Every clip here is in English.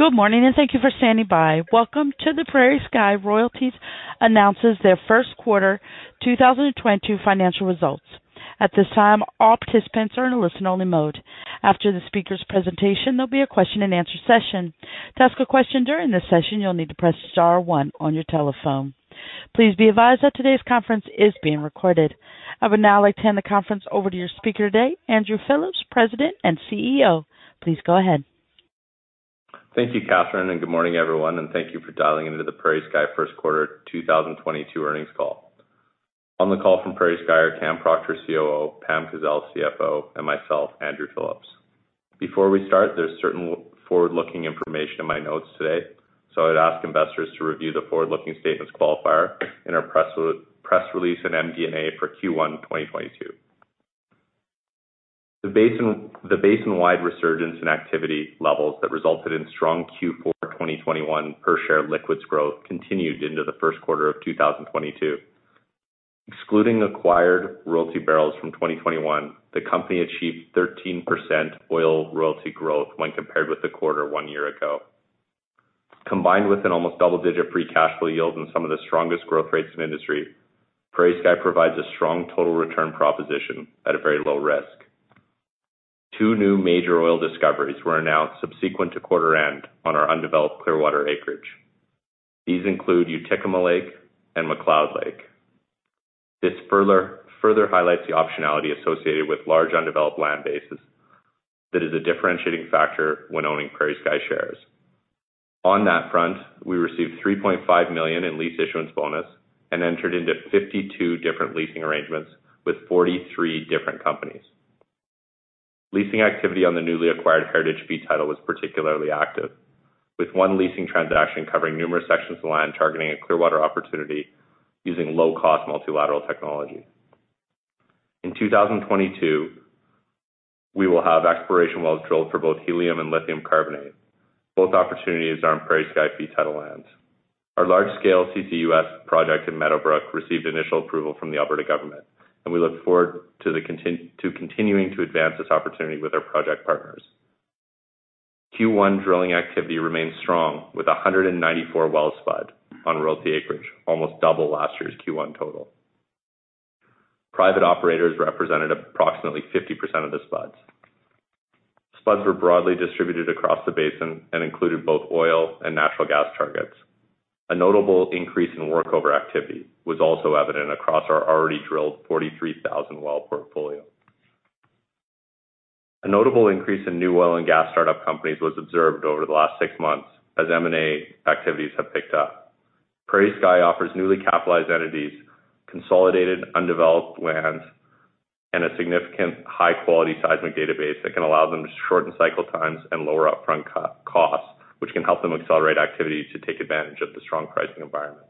Good morning, and thank you for standing by. Welcome to the PrairieSky Royalty announces their first quarter 2022 financial results. At this time, all participants are in a listen-only mode. After the speaker's presentation, there'll be a question-and-answer session. To ask a question during this session, you'll need to press star one on your telephone. Please be advised that today's conference is being recorded. I would now like to hand the conference over to your speaker today, Andrew Phillips, President and CEO. Please go ahead. Thank you, Catherine, and good morning, everyone, and thank you for dialing into the PrairieSky First Quarter 2022 Earnings Call. On the call from PrairieSky are Cam Proctor, COO, Pamela Kazeil, CFO, and myself, Andrew Phillips. Before we start, there's certain forward-looking information in my notes today, so I'd ask investors to review the forward-looking statements qualifier in our press release and MD&A for Q1 2022. The basin-wide resurgence in activity levels that resulted in strong Q4 2021 per share liquids growth continued into the first quarter of 2022. Excluding acquired royalty barrels from 2021, the company achieved 13% oil royalty growth when compared with the quarter one year ago. Combined with an almost double-digit free cash flow yield and some of the strongest growth rates in industry, PrairieSky provides a strong total return proposition at a very low risk. Two new major oil discoveries were announced subsequent to quarter end on our undeveloped Clearwater acreage. These include Utikuma Lake and McLeod Lake. This further highlights the optionality associated with large undeveloped land bases. That is a differentiating factor when owning PrairieSky shares. On that front, we received 3.5 million in lease issuance bonus and entered into 52 different leasing arrangements with 43 different companies. Leasing activity on the newly acquired Heritage fee title was particularly active, with one leasing transaction covering numerous sections of land targeting a Clearwater opportunity using low-cost multilateral technology. In 2022, we will have exploration wells drilled for both helium and lithium carbonate. Both opportunities are on PrairieSky fee title lands. Our large-scale CCUS project in Meadowbrook received initial approval from the Alberta government, and we look forward to continuing to advance this opportunity with our project partners. Q1 drilling activity remains strong, with 194 wells spud on royalty acreage, almost double last year's Q1 total. Private operators represented approximately 50% of the spuds. Spuds were broadly distributed across the basin and included both oil and natural gas targets. A notable increase in workover activity was also evident across our already drilled 43,000-well portfolio. A notable increase in new oil and gas startup companies was observed over the last six months as M&A activities have picked up. PrairieSky offers newly capitalized entities, consolidated undeveloped lands, and a significant high-quality seismic database that can allow them to shorten cycle times and lower upfront cap costs, which can help them accelerate activity to take advantage of the strong pricing environment.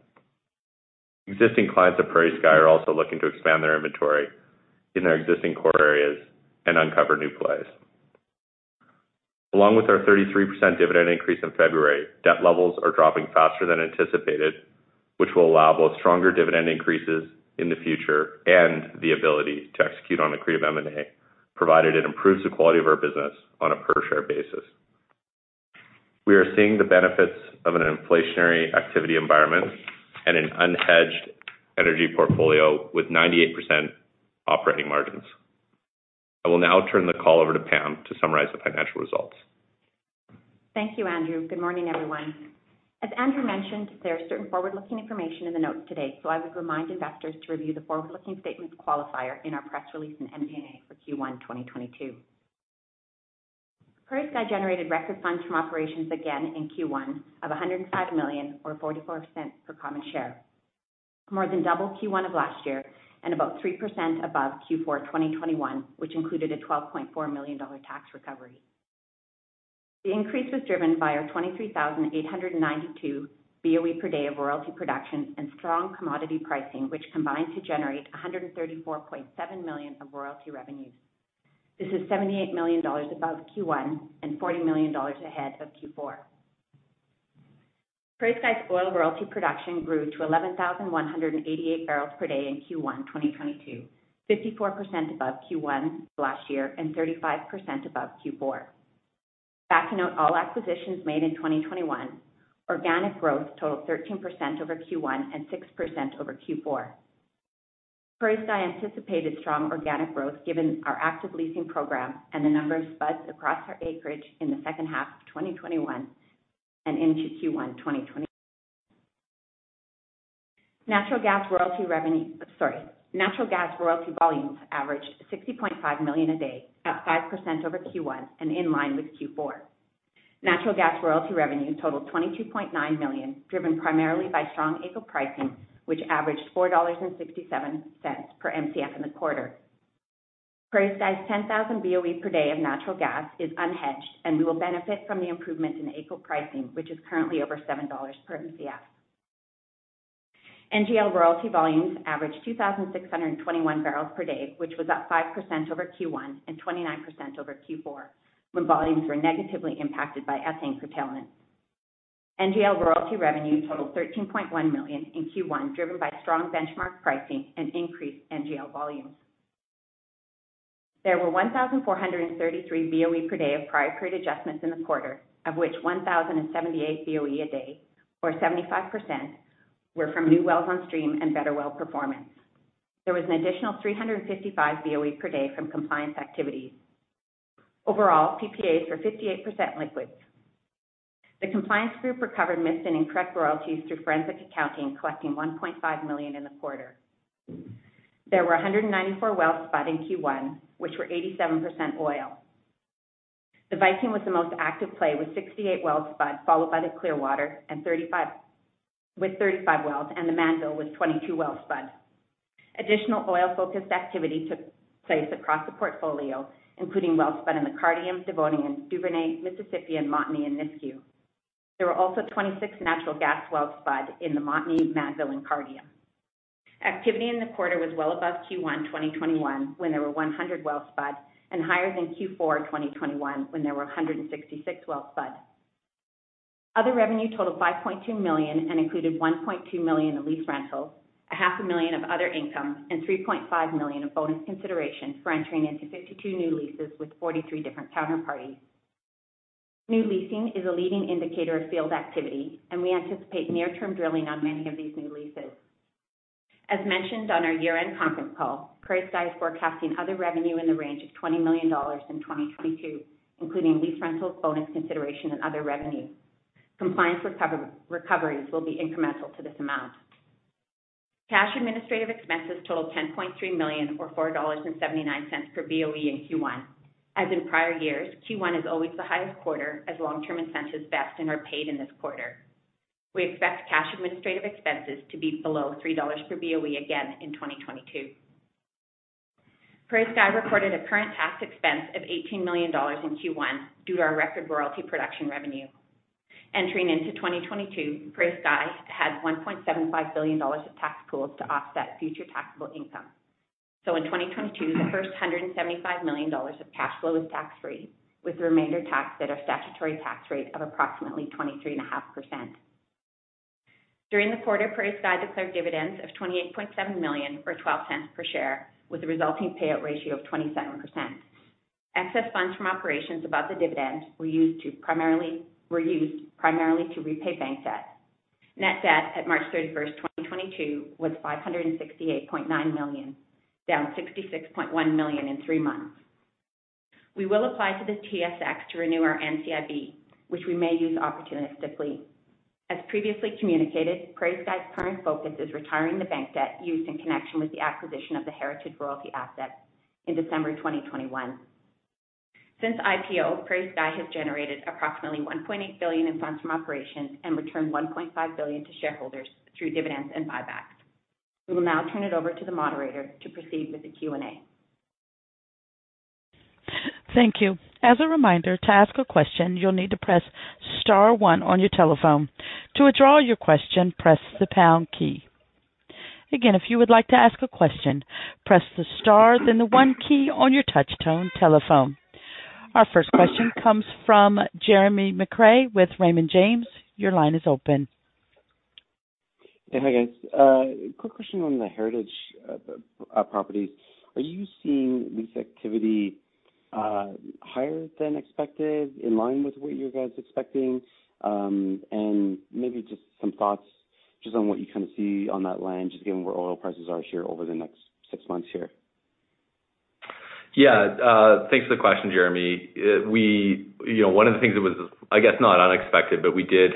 Existing clients of PrairieSky are also looking to expand their inventory in their existing core areas and uncover new plays. Along with our 33% dividend increase in February, debt levels are dropping faster than anticipated, which will allow both stronger dividend increases in the future and the ability to execute on accretive M&A, provided it improves the quality of our business on a per-share basis. We are seeing the benefits of an inflationary activity environment and an unhedged energy portfolio with 98% operating margins. I will now turn the call over to Pam to summarize the financial results. Thank you, Andrew. Good morning, everyone. As Andrew mentioned, there are certain forward-looking information in the notes today, so I would remind investors to review the forward-looking statements qualifier in our press release and MD&A for Q1 2022. PrairieSky generated record funds from operations again in Q1 of 105 million or 0.44 per common share. More than double Q1 of last year and about 3% above Q4 2021, which included a 12.4 million dollar tax recovery. The increase was driven by our 23,892 BOE per day of royalty production and strong commodity pricing, which combined to generate 134.7 million of royalty revenues. This is 78 million dollars above Q1 and 40 million dollars ahead of Q4. PrairieSky's oil royalty production grew to 11,188 bpd in Q1 2022, 54% above Q1 last year and 35% above Q4. Backing out all acquisitions made in 2021, organic growth totaled 13% over Q1 and 6% over Q4. PrairieSky anticipated strong organic growth given our active leasing program and the number of spuds across our acreage in the second half of 2021 and into Q1 2022. Natural gas royalty volumes averaged 60.5 million a day, up 5% over Q1 and in line with Q4. Natural gas royalty revenue totaled 22.9 million, driven primarily by strong AECO pricing, which averaged 4.67 dollars per Mcf in the quarter. PrairieSky's 10,000 BOE per day of natural gas is unhedged, and we will benefit from the improvement in AECO pricing, which is currently over 7 dollars per Mcf. NGL royalty volumes averaged 2,621 bpd, which was up 5% over Q1 and 29% over Q4, when volumes were negatively impacted by ethane rejection. NGL royalty revenue totaled 13.1 million in Q1, driven by strong benchmark pricing and increased NGL volumes. There were 1,433 BOE per day of prior period adjustments in the quarter, of which 1,078 BOE a day, or 75%, were from new wells on stream and better well performance. There was an additional 355 BOE per day from compliance activities. Overall, PPAs were 58% liquids. The compliance group recovered missed and incorrect royalties through forensic accounting, collecting 1.5 million in the quarter. There were 194 wells spud in Q1, which were 87% oil. The Viking was the most active play with 68 wells spud, followed by the Clearwater with 35 wells, and the Mannville with 22 wells spud. Additional oil-focused activity took place across the portfolio, including wells spud in the Cardium, Devonian, Duvernay, Mississippian, Montney, and Nisku. There were also 26 natural gas wells spud in the Montney, Mannville, and Cardium. Activity in the quarter was well above Q1 2021, when there were 100 wells spud, and higher than Q4 2021, when there were 166 wells spud. Other revenue totaled 5.2 million and included 1.2 million of lease rentals, 500,000 of other income, and 3.5 million of bonus consideration for entering into 52 new leases with 43 different counterparties. New leasing is a leading indicator of field activity, and we anticipate near-term drilling on many of these new leases. As mentioned on our year-end conference call, PrairieSky is forecasting other revenue in the range of 20 million dollars in 2022, including lease rentals, bonus consideration, and other revenue. Compliance recoveries will be incremental to this amount. Cash administrative expenses totaled 10.3 million, or 4.79 dollars per BOE in Q1. As in prior years, Q1 is always the highest quarter as long-term incentives vest and are paid in this quarter. We expect cash administrative expenses to be below 3 dollars per BOE again in 2022. PrairieSky recorded a current tax expense of 18 million dollars in Q1 due to our record royalty production revenue. Entering into 2022, PrairieSky had 1.75 billion dollars of tax pools to offset future taxable income. In 2022, the first 175 million dollars of cash flow is tax-free, with the remainder taxed at a statutory tax rate of approximately 23.5%. During the quarter, PrairieSky declared dividends of 28.7 million, or 0.12 per share, with a resulting payout ratio of 27%. Excess funds from operations above the dividends were used primarily to repay bank debt. Net debt at March 31st, 2022 was 568.9 million, down 66.1 million in three months. We will apply to the TSX to renew our NCIB, which we may use opportunistically. As previously communicated, PrairieSky's current focus is retiring the bank debt used in connection with the acquisition of the Heritage Royalty asset in December 2021. Since IPO, PrairieSky has generated approximately 1.8 billion in funds from operations and returned 1.5 billion to shareholders through dividends and buybacks. We will now turn it over to the moderator to proceed with the Q&A. Thank you. As a reminder, to ask a question, you'll need to press star one on your telephone. To withdraw your question, press the pound key. Again, if you would like to ask a question, press the star, then the one key on your touch tone telephone. Our first question comes from Jeremy McCrea with Raymond James. Your line is open. Yeah, hi, guys. Quick question on the Heritage properties. Are you seeing lease activity higher than expected, in line with what you guys expecting? And maybe just some thoughts just on what you kind of see on that line, just given where oil prices are here over the next six months here. Yeah. Thanks for the question, Jeremy. You know, one of the things that was, I guess, not unexpected, but we did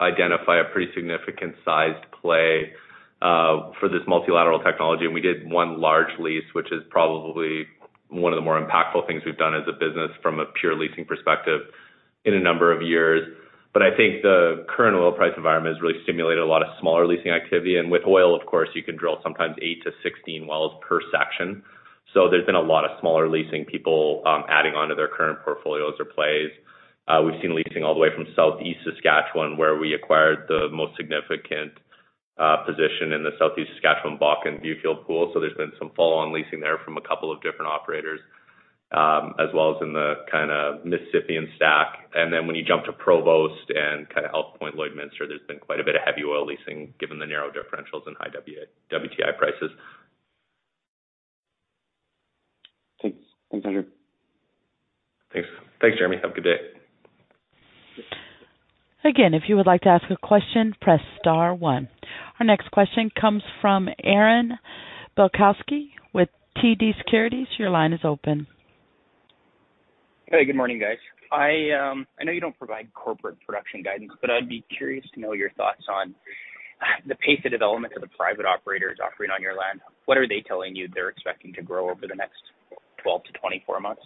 identify a pretty significant sized play for this multilateral technology, and we did one large lease, which is probably one of the more impactful things we've done as a business from a pure leasing perspective in a number of years. But I think the current oil price environment has really stimulated a lot of smaller leasing activity. With oil, of course, you can drill sometimes eight to 16 wells per section. There's been a lot of smaller leasing people adding onto their current portfolios or plays. We've seen leasing all the way from Southeast Saskatchewan, where we acquired the most significant position in the Southeast Saskatchewan Bakken Viewfield pool. There's been some follow-on leasing there from a couple of different operators, as well as in the kinda Mississippian stack. When you jump to Provost and the Lloydminster, there's been quite a bit of heavy oil leasing given the narrow differentials and high WTI prices. Thanks, Andrew. Thanks, Jeremy. Have a good day. Again, if you would like to ask a question, press star one. Our next question comes from Aaron Bilkoski with TD Securities. Your line is open. Hey, good morning, guys. I know you don't provide corporate production guidance, but I'd be curious to know your thoughts on the pace of development of the private operators operating on your land. What are they telling you they're expecting to grow over the next 12-24 months?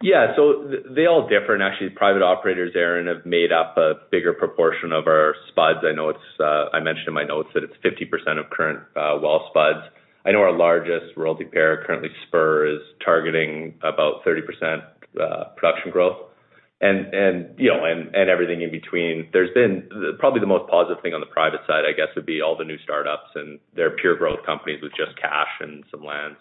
They all differ. Actually, private operators, Aaron, have made up a bigger proportion of our spuds. I know. I mentioned in my notes that it's 50% of current well spuds. I know our largest royalty payer, currently Spur, is targeting about 30% production growth. You know, everything in between. Probably the most positive thing on the private side, I guess, would be all the new startups, and they're pure growth companies with just cash and some lands.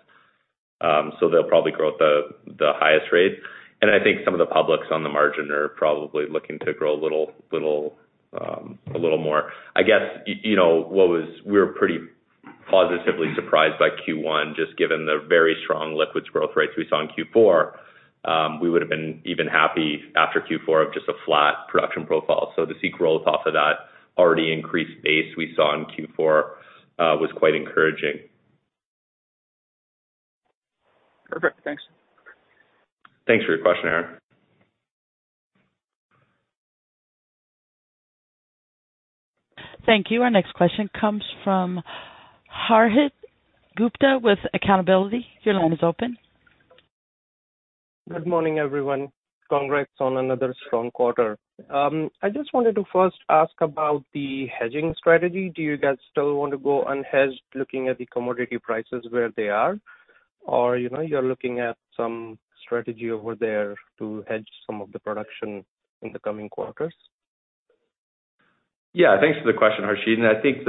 They'll probably grow at the highest rate. I think some of the publics on the margin are probably looking to grow a little more. I guess, you know, we were pretty positively surprised by Q1, just given the very strong liquids growth rates we saw in Q4. We would have been even happy after Q4 of just a flat production profile. To see growth off of that already increased base we saw in Q4 was quite encouraging. Perfect. Thanks. Thanks for your question, Aaron. Thank you. Our next question comes from Harshit Gupta with Accountability. Your line is open. Good morning, everyone. Congrats on another strong quarter. I just wanted to first ask about the hedging strategy. Do you guys still want to go unhedged looking at the commodity prices where they are? Or, you know, you're looking at some strategy over there to hedge some of the production in the coming quarters? Yeah. Thanks for the question, Harshit. I think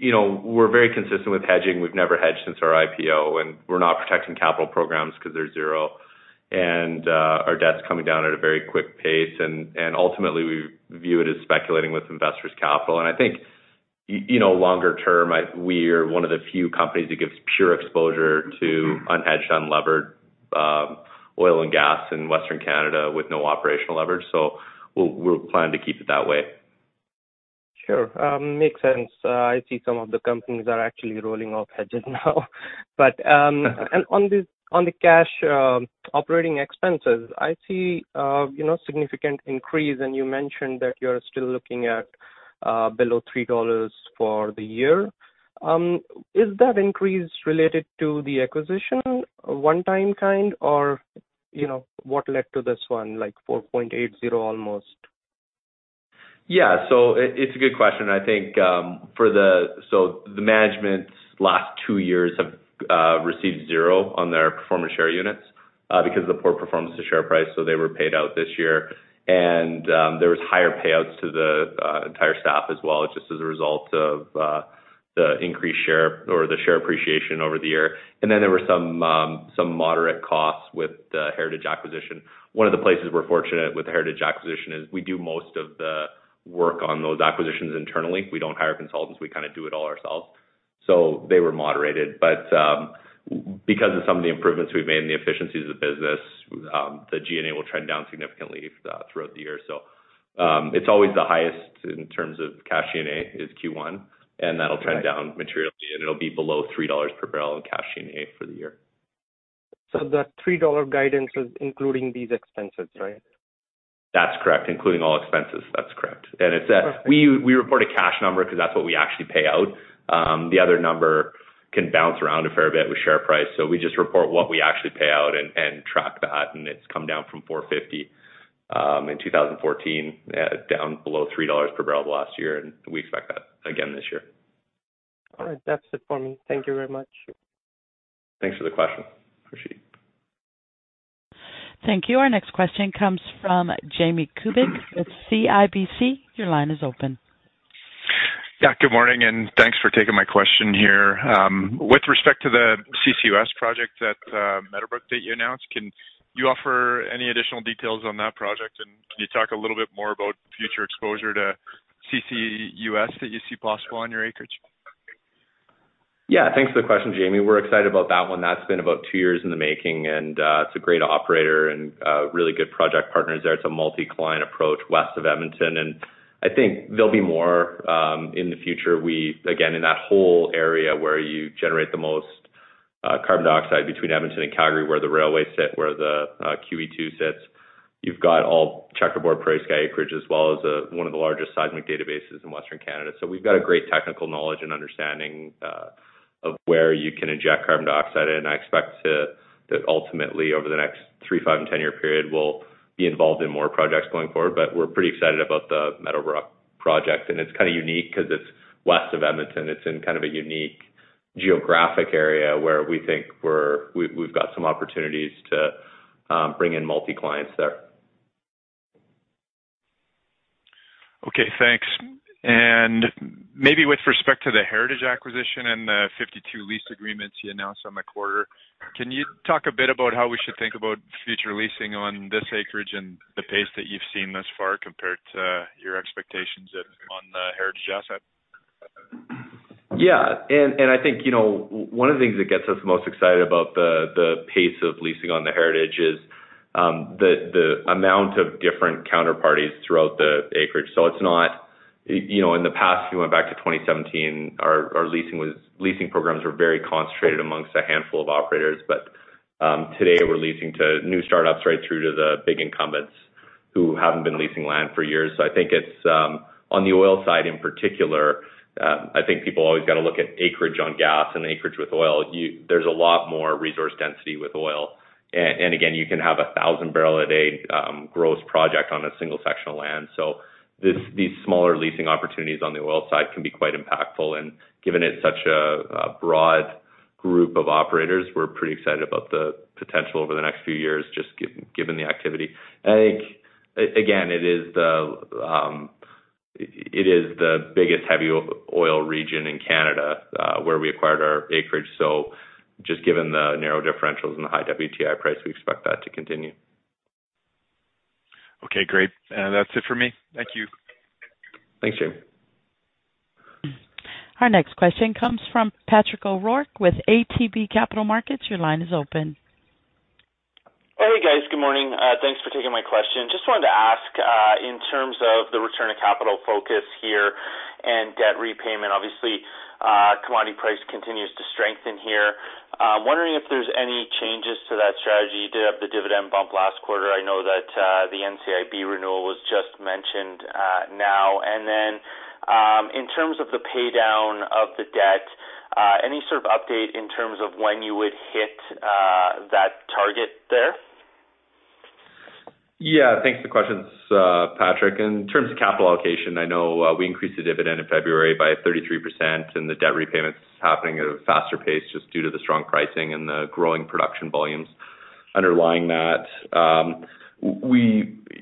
you know, we're very consistent with hedging. We've never hedged since our IPO, and we're not protecting capital programs because they're zero. Our debt's coming down at a very quick pace, and ultimately, we view it as speculating with investors' capital. I think you know, longer term, we are one of the few companies that gives pure exposure to unhedged, unlevered oil and gas in Western Canada with no operational leverage. We'll plan to keep it that way. Sure. Makes sense. I see some of the companies are actually rolling off hedges now. On the cash operating expenses, I see you know, significant increase, and you mentioned that you're still looking at below 3 dollars for the year. Is that increase related to the acquisition one-time kind? You know, what led to this one, like 4.80 almost? It's a good question. I think the management's last two years have received zero on their performance share units because of the poor performance of the share price, they were paid out this year. There was higher payouts to the entire staff as well, just as a result of the increased share or the share appreciation over the year. There were some moderate costs with the Heritage acquisition. One of the places we're fortunate with the Heritage acquisition is we do most of the work on those acquisitions internally. We don't hire consultants. We kinda do it all ourselves, so they were moderated. Because of some of the improvements we've made in the efficiencies of the business, the G&A will trend down significantly throughout the year. It's always the highest in terms of cash G&A is Q1, and that'll trend down materially, and it'll be below 3 dollars per barrel in cash G&A for the year. The 3 dollar guidance is including these expenses, right? That's correct. Including all expenses. That's correct. Perfect. We report a cash number because that's what we actually pay out. The other number can bounce around a fair bit with share price. We just report what we actually pay out and track that, and it's come down from 4.50 in 2014 down below 3 dollars per barrel last year, and we expect that again this year. All right. That's it for me. Thank you very much. Thanks for the question, Harshit. Thank you. Our next question comes from Jamie Kubik with CIBC. Your line is open. Yeah. Good morning, and thanks for taking my question here. With respect to the CCUS project at Meadowbrook that you announced, can you offer any additional details on that project? Can you talk a little bit more about future exposure to CCUS that you see possible on your acreage? Yeah. Thanks for the question, Jamie. We're excited about that one. That's been about two years in the making, and it's a great operator and really good project partners there. It's a multi-client approach west of Edmonton, and I think there'll be more in the future. Again, in that whole area where you generate the most carbon dioxide between Edmonton and Calgary, where the railways sit, where the QE2 sits. You've got all checkerboard PrairieSky acreage as well as one of the largest seismic databases in Western Canada. So we've got a great technical knowledge and understanding of where you can inject carbon dioxide. I expect that ultimately, over the next three, five, and 10-year period, we'll be involved in more projects going forward. We're pretty excited about the Meadowbrook project. It's kinda unique 'cause it's west of Edmonton. It's in kind of a unique geographic area where we think we've got some opportunities to bring in multi-clients there. Okay, thanks. Maybe with respect to the Heritage acquisition and the 52 lease agreements you announced in the quarter, can you talk a bit about how we should think about future leasing on this acreage and the pace that you've seen thus far compared to your expectations on the Heritage asset? Yeah. I think, you know, one of the things that gets us most excited about the pace of leasing on the Heritage is the amount of different counterparties throughout the acreage. It's not. You know, in the past, if you went back to 2017, our leasing programs were very concentrated amongst a handful of operators. Today we're leasing to new startups right through to the big incumbents who haven't been leasing land for years. I think it's on the oil side in particular. I think people always gotta look at acreage on gas and acreage with oil. There's a lot more resource density with oil. And again, you can have a 1,000 bpd gross project on a single section of land. These smaller leasing opportunities on the oil side can be quite impactful. Given it's such a broad group of operators, we're pretty excited about the potential over the next few years, just given the activity. I think, again, it is the biggest heavy oil region in Canada, where we acquired our acreage. Just given the narrow differentials and the high WTI price, we expect that to continue. Okay, great. That's it for me. Thank you. Thanks, Jim. Our next question comes from Patrick O'Rourke with ATB Capital Markets. Your line is open. Hey, guys. Good morning. Thanks for taking my question. Just wanted to ask, in terms of the return of capital focus here and debt repayment, obviously, commodity price continues to strengthen here. Wondering if there's any changes to that strategy. You did have the dividend bump last quarter. I know that, the NCIB renewal was just mentioned, now. Then, in terms of the pay down of the debt, any sort of update in terms of when you would hit, that target there? Yeah. Thanks for the questions, Patrick. In terms of capital allocation, I know we increased the dividend in February by 33%, and the debt repayment's happening at a faster pace just due to the strong pricing and the growing production volumes underlying that.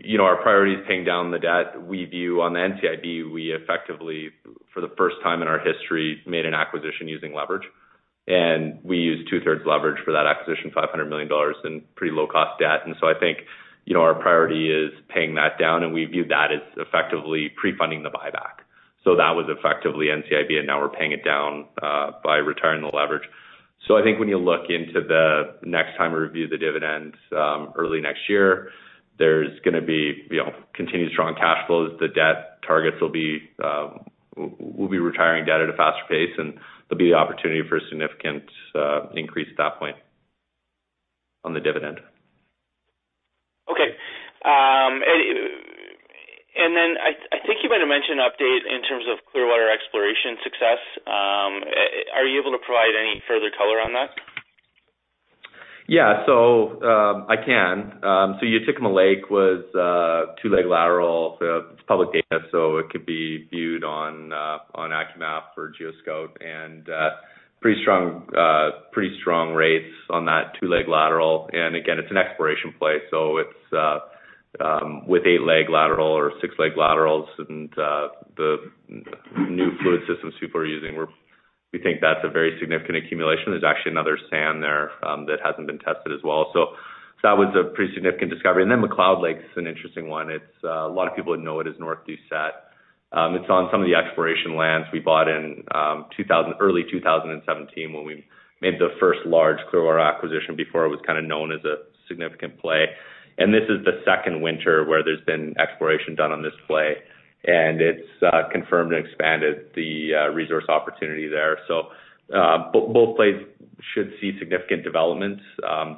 You know, our priority is paying down the debt. We view on the NCIB, we effectively, for the first time in our history, made an acquisition using leverage. We used two-thirds leverage for that acquisition, 500 million dollars in pretty low cost debt. I think, you know, our priority is paying that down, and we view that as effectively pre-funding the buyback. That was effectively NCIB, and now we're paying it down by retiring the leverage. I think when you look into the next time we review the dividends, early next year, there's gonna be, you know, continued strong cash flows. The debt targets will be, we'll be retiring debt at a faster pace, and there'll be the opportunity for a significant increase at that point on the dividend. Okay. I think you might have mentioned update in terms of Clearwater exploration success. Are you able to provide any further color on that? Yeah. Utikuma Lake was a two-leg lateral. It's public data, so it could be viewed on AccuMap or geoSCOUT. Pretty strong rates on that two-leg lateral. It's an exploration play, so it's with eight-leg lateral or six-leg laterals. The new fluid systems people are using, we think that's a very significant accumulation. There's actually another sand there that hasn't been tested as well. That was a pretty significant discovery. McLeod Lake is an interesting one. A lot of people would know it as North Duvernay. It's on some of the exploration lands we bought in early 2017 when we made the first large Clearwater acquisition before it was kinda known as a significant play. This is the second winter where there's been exploration done on this play, and it's confirmed and expanded the resource opportunity there. Both plays should see significant developments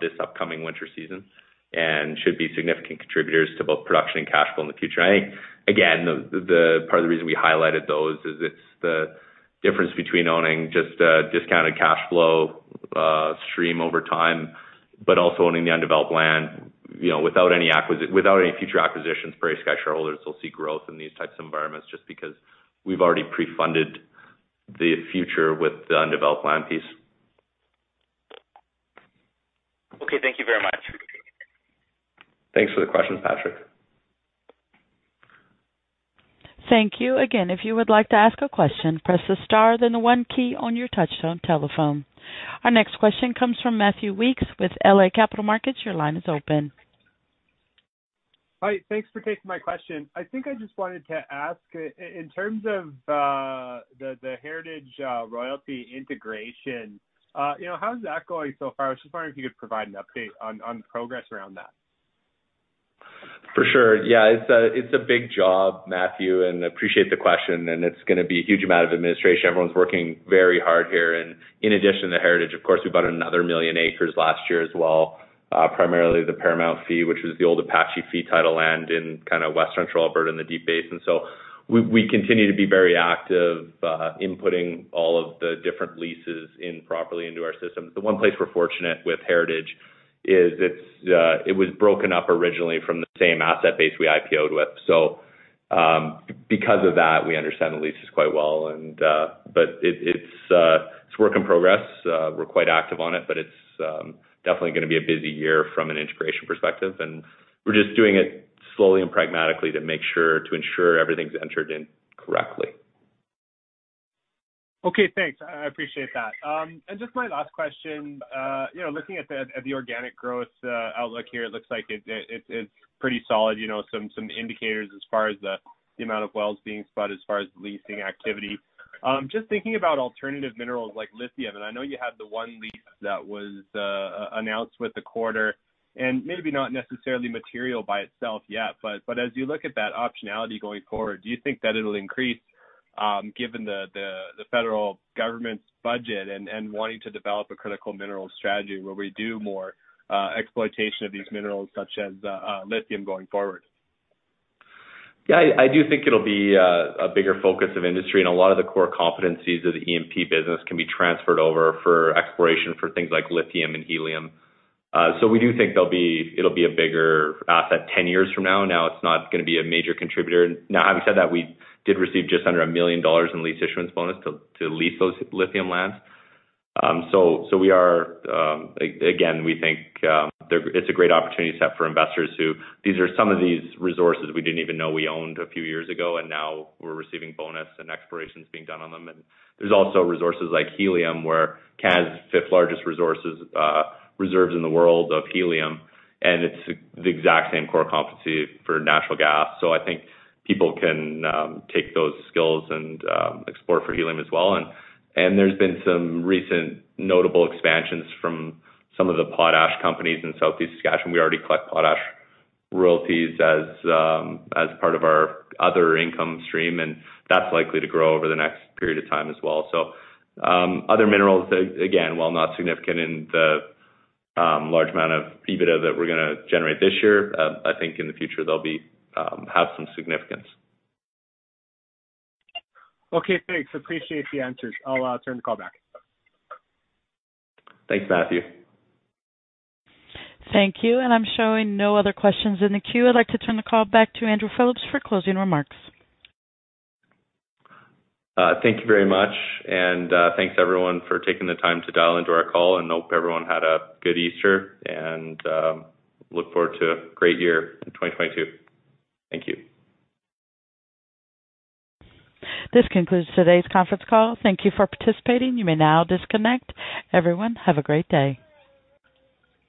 this upcoming winter season and should be significant contributors to both production and cash flow in the future. I think, again, the part of the reason we highlighted those is it's the difference between owning just a discounted cash flow stream over time, but also owning the undeveloped land, you know, without any future acquisitions. PrairieSky shareholders will see growth in these types of environments just because we've already pre-funded the future with the undeveloped land piece. Okay. Thank you very much. Thanks for the questions, Patrick. Thank you. Our next question comes from Matthew Weekes with iA Capital Markets. Your line is open. Hi. Thanks for taking my question. I think I just wanted to ask in terms of the Heritage Royalty integration, you know, how is that going so far? I was just wondering if you could provide an update on progress around that. For sure. Yeah. It's a big job, Matthew, and I appreciate the question, and it's gonna be a huge amount of administration. Everyone's working very hard here. In addition to Heritage, of course, we bought another 1 million acres last year as well, primarily the Paramount fee, which was the old Apache fee title land in kind of west-central Alberta in the Deep Basin. So we continue to be very active in putting all of the different leases in properly into our system. The one place we're fortunate with Heritage is that it was broken up originally from the same asset base we IPOed with. So, because of that, we understand the leases quite well. It's work in progress. We're quite active on it, but it's definitely gonna be a busy year from an integration perspective, and we're just doing it slowly and pragmatically to ensure everything's entered in correctly. Okay, thanks. I appreciate that. Just my last question, you know, looking at the organic growth outlook here, it looks like it's pretty solid, you know, some indicators as far as the amount of wells being spud as far as leasing activity. Just thinking about alternative minerals like lithium, and I know you have the one lease that was announced with the quarter, and maybe not necessarily material by itself yet, but as you look at that optionality going forward, do you think that it'll increase, given the federal government's budget and wanting to develop a critical mineral strategy where we do more exploitation of these minerals such as lithium going forward? Yeah. I do think it'll be a bigger focus of industry, and a lot of the core competencies of the E&P business can be transferred over for exploration for things like lithium and helium. So we do think it'll be a bigger asset 10 years from now. It's not gonna be a major contributor. Having said that, we did receive just under 1 million dollars in lease issuance bonus to lease those lithium lands. So we are again. We think it's a great opportunity set for investors. These are some of these resources we didn't even know we owned a few years ago, and now we're receiving bonus and exploration's being done on them. There's also resources like helium, where Canada has fifth-largest reserves in the world of helium, and it's the exact same core competency for natural gas. I think people can take those skills and explore for helium as well. There's been some recent notable expansions from some of the potash companies in Southeast Saskatchewan. We already collect potash royalties as part of our other income stream, and that's likely to grow over the next period of time as well. Other minerals, again, while not significant in the large amount of EBITDA that we're gonna generate this year, I think in the future they'll have some significance. Okay, thanks. Appreciate the answers. I'll turn the call back. Thanks, Matthew. Thank you. I'm showing no other questions in the queue. I'd like to turn the call back to Andrew Phillips for closing remarks. Thank you very much, and thanks everyone for taking the time to dial into our call. I hope everyone had a good Easter, and I look forward to a great year in 2022. Thank you. This concludes today's conference call. Thank you for participating. You may now disconnect. Everyone, have a great day.